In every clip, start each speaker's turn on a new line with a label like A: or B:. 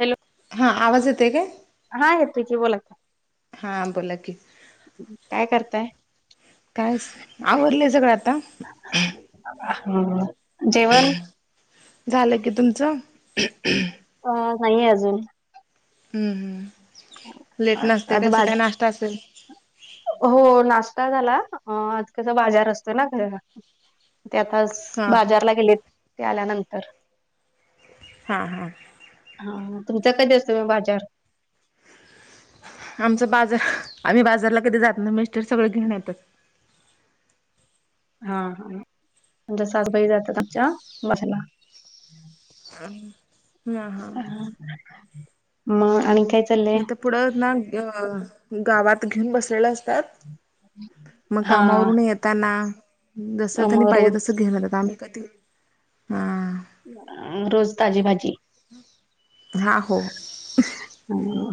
A: Hello
B: हां आवाज येतोय काय
A: हाय बोला
B: हां बोला की
A: काय करताय
B: कायच आवरलंय सगळं आता
A: ह जेवण
B: झालं की तुमचं
A: अ नाहीये अजून
B: लेट नसते
A: आज
B: काही सकाळी
A: भाज
B: नाष्टा असल
A: हो नाश्ता झाला आज कस बाजार असतोय ना ते आता
B: हा
A: बाजारला गेलेत ते आल्यानंतर
B: हां हां
A: हा तुमचा कधी असतो म बाजार
B: आमच बाजार आम्ही बाजारला कधी जात नाही मिस्टर सगळं घेऊन येतात
A: हा हा म्हज सासबाई जातात आमच्या बाजाराला,
B: ह ह हा,
A: मग आणि काय, चाललंय
B: म तर पुढं ना अ गावात घेऊन बसलेले असतात! मग
A: हा
B: कामावरून येेतना, जस त्यांनी
A: मग
B: पाहिजे तस
A: रोज
B: घेऊन येतात आम्ही कधी हा.
A: अ, रोज ताजी भाजी.
B: हा हो,
A: ह,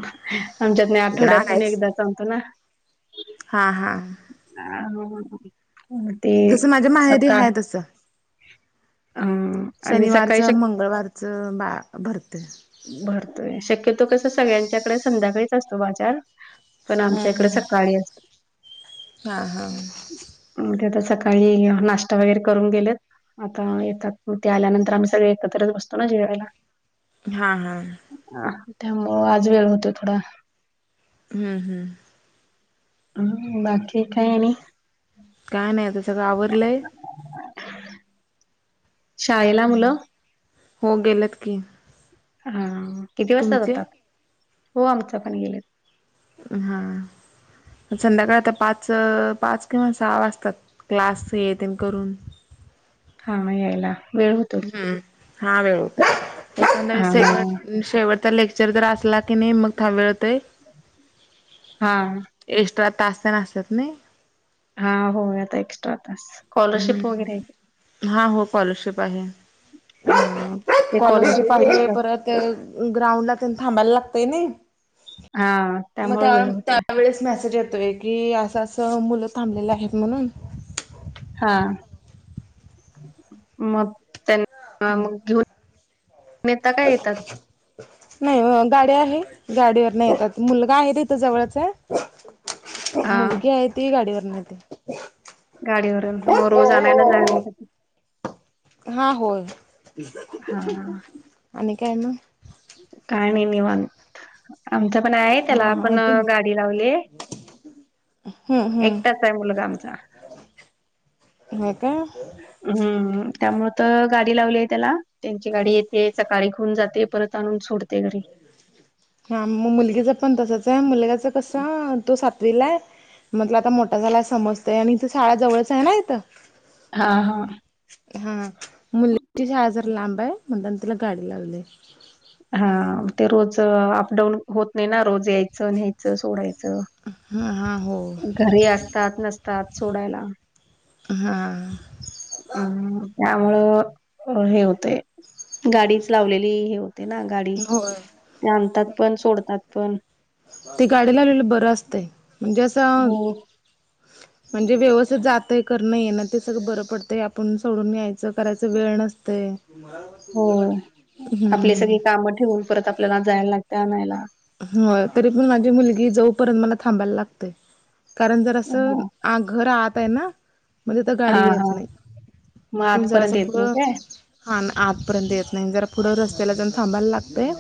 A: आमच्यात नाही
B: इकडं
A: आठवड्यातून एकदा सांगतो ना.
B: हां हां,
A: काय आणू बोलला ह म ते
B: तसं माझ्या माहेरी
A: सकाळ.
B: आहे तसं
A: हम आणि सकाळी शक्य,
B: चं बा भरते,
A: भरतोय शक्यतो कस सगळ्यांच्याकडे संध्याकाळीच असतो बाजार. पण
B: हम्म
A: आमच्या इकडे
B: हम्म
A: सकाळी असतो.
B: हा हा.
A: हं ते आता सकाळी नाश्ता वगैरे करून गेलेत. आता येतात ते आल्यानंतर आम्ही सगळे एकत्रच बसतो ना जेवायला.
B: हा हा,
A: त्यामुळं आज वेळ होतो थोडा.
B: हम्म हम्म,
A: बाकी काय आणि!
B: काय नाही आता सगळं आवरलंय?
A: बुर हा हा [inaudible] शाळेला मुलं,
B: हो गेलेत की!
A: हा किती वाजता
B: तुमचे
A: जातात! हो आमच पण गेले,
B: हा, संध्याकाळ आता पाच पाच किंवा सहा वाजतात क्लास येेत करून.
A: हा म यायला वेळ हो.
B: हम्म हा वेळ होतय नविन
A: हा
B: शेवट शेवटचा लेक्च. चरित्र असला की नाही मग थां मिळतय.
A: हा,
B: एक्स्ट्रा तास तेन असत्यात नाही.
A: हा हो आता एक्स्ट्रा, तास स्कॉलरशिप वगैरे आहे
B: हम्म हा हो स्कॉलरशिप आहे.
A: हा ते
B: स्कॉलरशिप
A: स्कॉलरशिप
B: आहे
A: एक्स्ट्रा
B: परत, तर ग्राउंडला तेन थांबायला लागतंय नाही.
A: हा,
B: मग
A: त्यामुळे
B: त्या
A: वेळ होतोय
B: त्यावेळेस मेसेज येतोय की असं असं मुलं थांबलेले आहेत म्हणून.
A: हा मग त्यां मग घेऊन. नेता काय येतात,
B: नाही गाडी आहे गाडीवरन येतात मुलगा आहे इथ जवळच हाय.
A: हा
B: मुलगी आहे ती गाडीवर न येते!
A: गाडीवरून मग रोज आणायला जायला लागत.
B: हा होय
A: हा
B: आणि काय मग!
A: काय नाही निवांत. आमचं पण आहे त्याला
B: हा हा
A: आपण
B: तुम
A: गाडी लावलेय.
B: हम्म हम्म
A: एकटाचय मुलगा आमचा.
B: हा का!
A: हम्म त्यामुळे तर गाडी लावली ये त्याला, त्यांची गाडी येते सकाळी घेऊन जाते परत, आणून सोडते घरी.
B: हा मग मुलगीच पण तसंच आहे मुलगाच कसं तो सातवीला ये, म्हटलं आता मोठा झाला समजतय आणि इथं शाळा जवळच आहे ना इथं.
A: हा हा
B: हा मुलगीची शाळा जरा लांब आहे म्हणताना तिला गाडी लागली.
A: हा ते रोज अपडाऊन होत नाही ना रोज यायचं न्यायचं सोडायचं.
B: हा हा हो
A: घरी असतात नसतात सोडायला.
B: हा
A: हम् त्यामुळं, हे होतंय. गाडीच लावलेली हे होते ना गाडी,
B: होय
A: ते आणतात पण सोडतात पण.
B: ते गाडी लावलेल बरं असतंय, म्हणजे असं
A: हो
B: म्हणजे व्यवस्थित जातंय करण येणं ते सगळं बरं पडतंय आपण सोडून यायचं करायचं वेळ नसतय. तुम्हाला
A: हो, आपली सगळी काम ठेवून परत आपल्याला जायला लागते आणायला.
B: हो तरी पण माझी मुलगी जाऊपर्यंत मला थांबायला लागतेय. कारण जरा असं
A: हो.
B: आ घर आत आहे ना. म्हणजे तिथं
A: हा
B: गाडी येत
A: हा मग
B: नाही, जरा असं
A: आतपर्यंत येत नाही
B: पुढं
A: काय?
B: हा आतपर्यंत येत नाही जरा पुढे रस्त्याला जाऊन थांबायला लागतेय,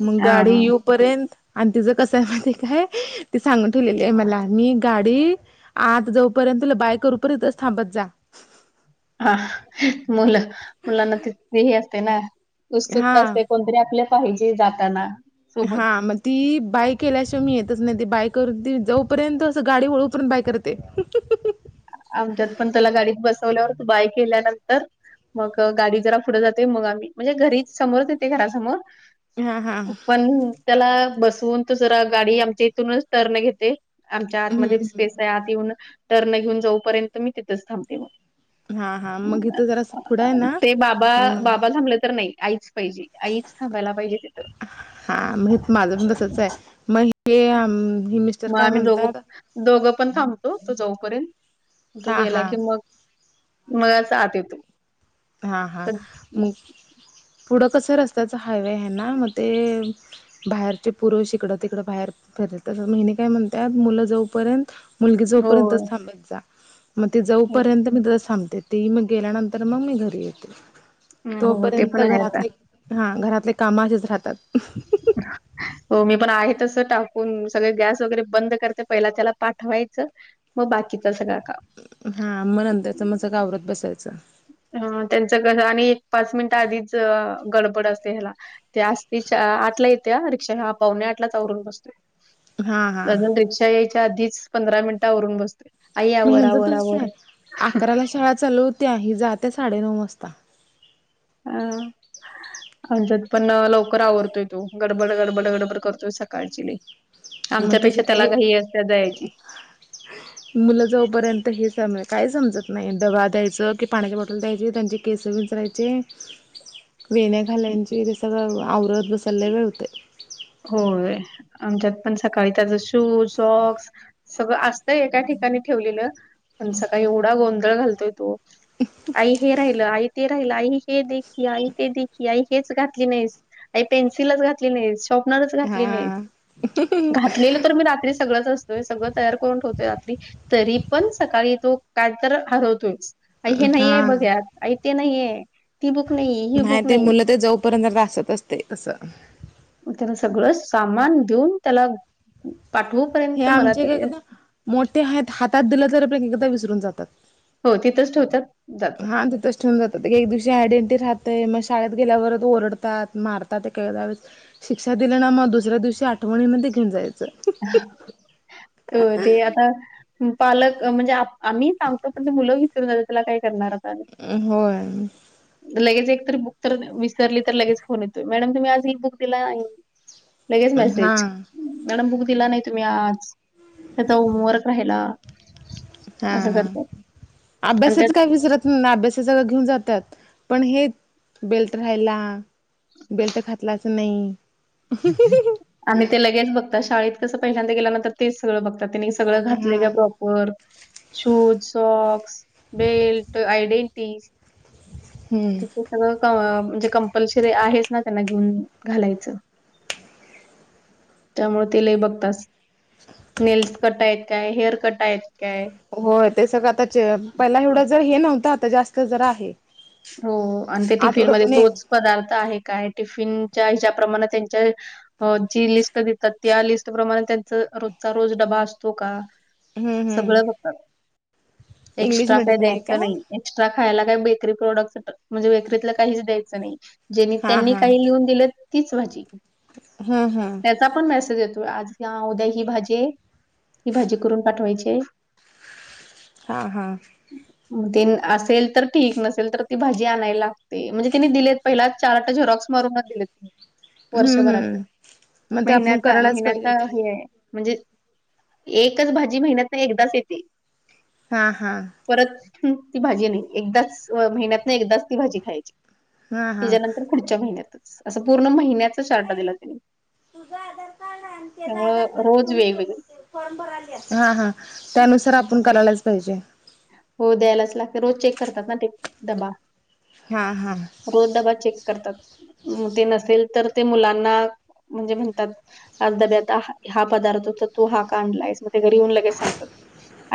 B: मग
A: हा हा.
B: गाडी पर्यंत आणि तिचं कसं आहे माहीतेय काय ती सांगून ठेवलेली आहे मला मी गाडी आतजोपर्यंत तुला बाय करुपर्यंतच थांबत जा.
A: हा मुलं मुलांना तिही असते ना उत्सुकता
B: हा
A: असते. कोणतरी आपल्या पाहिजे जाताना. सोबत.
B: हा मग ती बाय केल्याशिवाय मी येतच नाही ती बाय करून ती जोपर्यंत असं गाडी वळूपर्यंत बाय करते.
A: आमच्यात पण त्याला गाडीत बसवल्यावरती बाय केल्यानंतर मग गाडी जरा पुढे जाते मग आम्ही म्हणजे घरी समोरच येते घरासमोर,
B: हा हा
A: पण त्याला बसवून तर जरा गाडी आमच्या इथूनच टर्न घेते. आमच्या आतमध्ये
B: हम्म
A: स्पेस आहे आत येऊन टर्न घेऊन जाऊपर्यंत मी तिथंच थांबते मग.
B: हा हा मग इथं जरा असं पुढं आहे ना
A: ते बाबा
B: हम्म
A: बाबा थांबले तर नाही आईचं, पाहिजे आईचं थांबायला पाहिजे तिथं.
B: हा मग माझं पण तसंचे मग हे ही
A: मग आम्ही दोघं दोघं पण थांबतो तो जाऊपर्यंत, तो
B: हा
A: गेला
B: हा
A: की मग मगच आत येतो.
B: हा हा
A: तर
B: मग पुढं कसं रस्त्याचं हायवे आहे ना मग ते बाहेरचे पुरुष इकडं तिकडं बाहेर फिरत मग हिने काय म्हणतात मुलं जाऊपर्यंत मुलगी
A: हो
B: जोपर्यंतच थांबत जा. मग ती जाऊपर्यंत मी तिथंच थांबते, ती मग गेल्यानंतर मग मी घरी येते.
A: हो हो ते
B: तोपर्यंत
A: पण आहे आता
B: घरातली हा घरातले काम असेच राहतात.
A: हो मी पण आहे तसं टाकून सगळे गॅस वगैरे बंद करते पहिला त्याला पाठवायचं, मग बाकीच सगळं [unintelligible] का
B: हा मग त्याच माझं [unintelligible] सगळं आवरात बसायचं
A: ह त्यांचं कस [unintelligible] आणि एक पाच मिनिट आधीच गडबड असते ह्याला [unintelligible] ते आज [unintelligible] तीच्या आठला येत्या रिक्षा हा पाहुणे आठलाच आवरून बसतोय.
B: हा हा
A: अजून
B: मग
A: रिक्षा यायच्या आधीच, पंधरा मिनिट आवरून बसतोय.
B: [unintelligible]
A: आई आवर आवर आवर
B: अकराला शाळा चालू होत्या, ही जात्या साडेनऊ वाजता.
A: ह [unintelligible] आमच्यात पण लवकर आवरतोय, तो गडबड गडबड गडबड करतोय सकाळची लय.
B: मग तिचं
A: आमच्यापेक्षा त्याला
B: ते
A: घाई असत्या जायची.
B: [unintelligible] मुलं जोपर्यंत हे सम [unintelligible] काय समजत नाही डबा द्यायचं की पाण्याची बॉटल द्यायची त्यांच केस विचरायचे, वेण्या घालायचे हे सगळं आवरत बसायला लई वेळ होतय.
A: होय. आमच्यात पण सकाळी त्याचा शूज सॉक्स सगळं असत एका ठिकाणी ठेवलेलं. पण सकाळी एवढा गोंधळ घालतोय तो. आई हे राहिलं आई ते राहिला आई हे दे की, आई ते दे की, आई हेच घातली नाहीस. आई पेन्सिलच घातली नाहीस. घातली नाही
B: हा
A: घातलेलं तर मी रात्री सगळच असतं. सगळं तयार करून ठेवतोय रात्री, तरी पण सकाळी तो काय तर हरवतोयच. आई हे नाहीये
B: हा
A: बघ यात आई ते नाही आहे, ती बुक नाही, ही बुक नाही.
B: पोरांचे [unintelligible] जरा असच असतय तसं.
A: त्याला सगळं सामान देऊन, त्याला पाठवू
B: हे आमचे हे [unintelligible] मोठे हाईत हातात दिले तरी पण एक [inaudible] एकदा विसरून जातात.
A: हो तिथंच ठेवतात जातात.
B: हां तिथंच ठेवून जातात एक दिवशी आयडेंटी राहतय मग शाळेत गेल्यावर ओरडतात. मारतात एकेकदा. शिक्षा दिले ना मग दुसऱ्या दिवशी आठवणीन ते घेऊन जाईल [inaudible]
A: [unintelligible] हो ते आता पालक म्हणजे आम्ही सांगतो. पण ते मुलं विसरून जातात त्याला काय करणार आता.
B: होय
A: लगेच एकतरी बुक तर विसरली तर लगेच फोन येतोय. मॅडम तुम्ही आज ही बुक दिला नाही. लगेच मॅसेज
B: हा
A: मॅडम बुक दिला नाही तुम्ही आज. त्याचा होमवर्क राहिला.
B: हा
A: असं
B: हा
A: करतात आणि त्यात.
B: अभ्यासाच सगळ [unintelligible] घेऊन जातात पण हे बेल्ट राहिला बेल्ट घातलाचं नाही.
A: [unintelligible] आणि ते लगेच बघतात शाळेत कसं पहिल्यांदा गेल्यानंतर तेच सगळं बघतात त्यानी सगळं
B: हा
A: घातलं का ब वर शूज सॉक्स बेल्ट आयडेंटिज.
B: हम्म
A: कस [unintelligible] सगळं म्हणजे कंपल्शरी आहेच ना त्यांना घेऊन घालायचं. त्यामुळे ते लई बघतात नेल्स कट आहेत काय? हेअर कट आहेत काय?
B: होय ते सगळं आताच पहिला एवढं जर हे नव्हतं आता जास्त जरा आहे.
A: हो आणि ते टिफिनमध्ये
B: आठवड्यातून एक
A: तोच पदार्थ आहे काय? टिफिनच्या ह्याच्याप्रमाणे त्यांच्या. जी लिस्ट देतात त्या लिस्ट प्रमाणे त्यांचा रोजचा रोज डबा असतो का?
B: हम्म हम्म
A: सगळं बघात,
B: इंग्लिश
A: एक्स्ट्रा काय
B: मिडियमला आहे
A: द्यायचं नाही. एक्स्ट्रा खायला काही बेकरी प्रोडक्ट म्हणजे बेकरीतल काहीच द्यायचं नाही. जेनी [unintelligible]
B: हा
A: त्यांनी काही लिहून दिलं तीच भाजी.
B: हा हा [unintelligible]
A: त्याचा पण मेसेज येतोय, आज ह्या उद्या ही भाजी आहे. ही भाजी करून पाठवायची आय.
B: हा हा
A: तीन असेल तर ठीक नस -सेल तर ती भाजी आणाय लागते म्हणजे तेनी दिलेत पहिलाच चार्ट झेराक्स मारूनच दिलेत.
B: हम्म
A: वर्षभरात
B: हम्म मग ते आपण
A: महिन्याचा,
B: करायलाच पाहिजे
A: महिन्याचा
B: ते
A: हे आहे. म्हणजे एकच भाजी महिन्यातनं एकदाच येते.
B: हां.. हां..
A: परत ती भाजी नाही, एकदाचं महिन्यातनं एकदाच ती भाजी खायची.
B: हा हा
A: तेज्यानंतर पुढच्या महिन्यातच, असं पूर्ण महिन्याचा चार्ट दिला त्यांनी.
B: तुझं आधार कार्ड आणि त्यजं आधार
A: त्यामुळं
B: कार्ड
A: रोज
B: घेऊन तु ये
A: वेगवेगळी
B: लवकर [unintelligible] फॉर्म भराल्या, हां, हां त्यानुसार आपण करायलाच पाहिजे.
A: हो द्यायलाच लागते, रोज चेक करतात ना ते डबा.
B: हा हा
A: रोज डबा चेक करतात, मग ते नसेल तर ते मुलांना म्हणजे म्हणतात आज डब्यात हा पदार्थ होता, तू हा का आणला आहेस,? मग ते घरी येऊन लगेच सांगतात.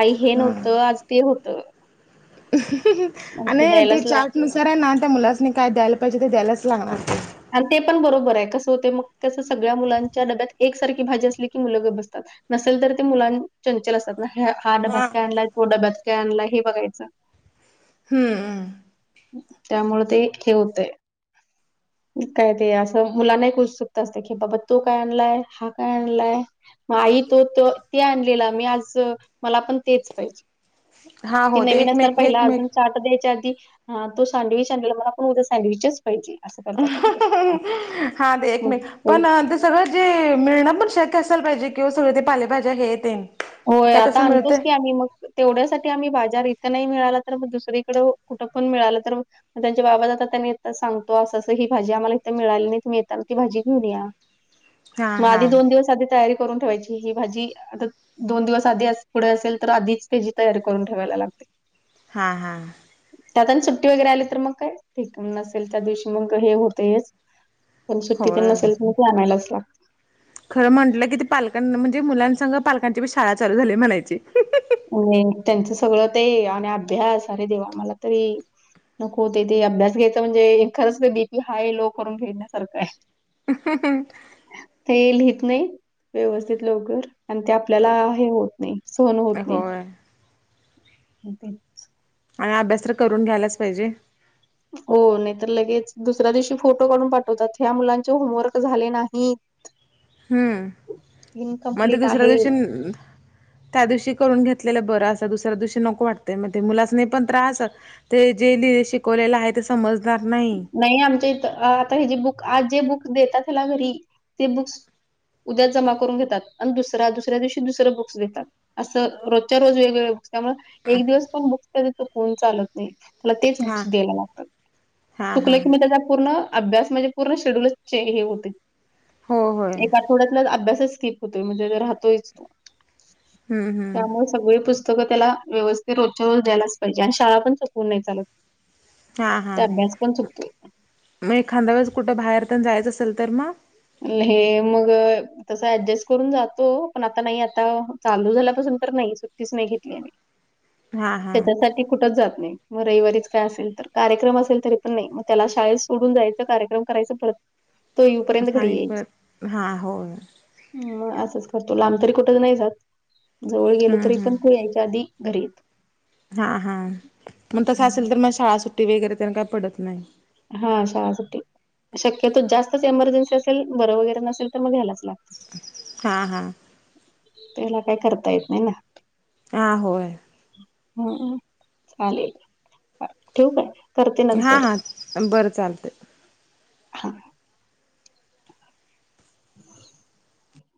A: आई हे
B: हा
A: नव्हतं आज. ते होतं आज
B: आणि ते
A: द्यायलाच
B: चार्ट
A: लागतंय.
B: नुसार ना त्या मुलासनी काय द्यायला पाहिजे ते द्यायलाच लागणार.
A: आणि ते पण बरोबर आहे कसं हुतयं मग, तसं सगळ्या मुलांच्या डब्यात एकसारखी भाजी असली की मुलं गब बसतात. नसेल तर ते मुलां, चंचल असतात ना. हा डब्यात काय आणलाय, तो डब्यात काय आणलाय, हे बघायचं.
B: हं....
A: त्यामुळे ते हे हुतंय. मग काय ते असं मुलांना एक उत्सुकता असत्या की, बाबा तो काय आणलाय, हा काय आणलाय. मग आई तो-तो ते आणलेला मी आज, मला पण तेच पाहिजे.
B: हा
A: ते
B: हो
A: नवीन असताना
B: एकमेक
A: पहिला अजून
B: एकमेक
A: चार्ट द्यायच्या आधी, हा तो सँडविच आणलेला मला पण उद्या सँडविचच पाहिजे असं करत होता तो.
B: हा ते एकमेक पण सगळं जे मिळणं पण शक्य असायला पाहिजे की वो, सगळं ते पालेभाज्या हे तेन.
A: होय आता आणतोच की आम्हीं मग. तेवढ्यासाठी आम्ही बाजार इथं नाही मिळाला तर, मग दुसरीकडे कुठं पण मिळालं तर मग त्यांचे बाबा जातात त्यांनी येताना सांगतो, असं- असं ही भाजी आम्हांला इथं मिळाली नाही, तुम्हीं येताना ती भाजी घेऊन या.
B: [inaudible]
A: मग
B: हा
A: आधी दोन दिवस आधी तयारी करून ठेवायची ही भाजी आता दोन दिवस आधी पुढे असेल तर, आधीच त्यजी तयारी करून ठेवायला लागते.
B: हां.. हा..
A: त्यात आणि सुट्टी वगैरे आली तर मग काय, ठीक नसेल त्या दिवशी मग हे होतयच. पण सुट्टी तेन
B: होय
A: नसेल तर मग ते आणायलाच लागतं.
B: खरं म्हटलं की ते पालकांना म्हणजे, मुलांसघं पालकांचीबी शाळा चालू झालीय म्हणायची.
A: आणि त्यांचं सगळं ते आणि अभ्यास अरे देवा मला तरी नको हुतयं ते अभ्यास घ्यायचा म्हणजे, एखाद्याचा बीपी हाय लो करून घेण्यासारखं आहे.
B: [unintelligible]
A: हे लिहित नाही, व्यवस्थित लवकर आणि ते आपल्याला हे होत नाही सहन होत
B: अं होय.
A: होे ते.
B: आणि आभ्यास तर करून घ्यायलाच पाहिजे.
A: हो. नाही तर लगेच दुसऱ्या दिवशी फोटो काढून पाठवतात, ह्या मुलांचे होमवर्क झाले नाही.
B: हम्म, मग ते
A: इनकम्प्लीट
B: दुसऱ्या
A: आहे
B: दिवशी त्या दिवशी करून घेतलेलं बरं असं, दुसऱ्या दिवशी नको वाटतंय मग ते मुलासनी पण त्रास ते जे लिहिले शिकवलेलं आहे, ते समजणार नाही.
A: नाही आमच्या इथं आता हे जे बुक आज जे बुक देतात ह्याला घरी ते बुक्स उद्या जमा करून घेतात आणि दुसरा दुसऱ्या दिवशी दुसरं बुक्स देतात. असं रोजच्या रोज वेगळं त्यामुळं एक दिवस पण बुक्स त्याच थकवून चालत नाही, त्याला तेच
B: हा
A: बुक्स द्यायला लागतात.
B: हा
A: चुकलं
B: हा
A: की मग त्याचा पूर्ण अभ्यास म्हणजे पूर्ण शेड्यूलच चे हे होतेय‌.
B: हो होय.
A: थोड्यातन अभ्यासच स्किप होतोय म्हणजे राहतोयच तो,
B: हम्म हम्म
A: त्यामुळे सगळे पुस्त सगळं त्याला व्यवस्थित रोजच्या रोज द्यायलाच पाहिजे आणि शाळा पण चुकवून नाही चालत. त्याभ्यास पण चुकतोय.
B: नाही खाल्ल्यावरच कुठं बाहेरपण जायचं असेल तर मग?
A: लेहे मग. तस ऍडजस्ट करून जातो. पण आता नाही. आता चालू झाल्यापासून तर नाही, सुट्टीच नाही घेतली आम्ही.
B: हा. हा
A: त्यासाठी कुठच जात नाही. व रविवारीच काय असेल तर. कार्यक्रम असेल तरी पण नाही. मग त्याला शाळेत सोडून जायचं, कार्यक्रम करायचं परत. तो येऊपर्यंत घरी यायचं.
B: हायपट हा हो.
A: मग असंच करतो, लांब तरी कुठंच नाही जात. जवळ गेलो
B: हम्म
A: तरी पण तो
B: हम्म
A: यायच्या आधी घरी.
B: हा हा मग तसं असेल
A: हम्म.
B: तर मग शाळा सुट्टी वगैरे त्यांना काही पडत नाही.
A: हा शाळा सुट्टी. शक्यतो जास्तच एमर्जन्सी असेल बरं वगैरे नसेल तर मग घ्यायलाच लागत.
B: हा हा.
A: त्याहीला काही करता येत नाही ना.
B: हां. होय.
A: हुं हु चालेल ठेवू? करते
B: हा
A: नंतर
B: बरं चालत.
A: [unintelligible] [inaudible]